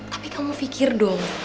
tapi kamu pikir dong